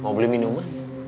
mau beli minuman